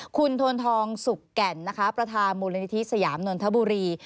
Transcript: คุณโทนทองสุกแก่นนะคะประธานมูลนิธิสยามนนทบุรี